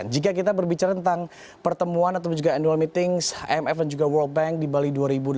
jika kita berbicara tentang pertemuan atau juga annual meetings imf dan juga world bank di bali dua ribu delapan belas